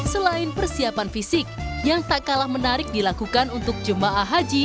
selain persiapan fisik yang tak kalah menarik dilakukan untuk jemaah haji